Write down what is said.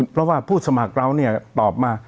เพราะว่าผู้สมัครเราตอบมา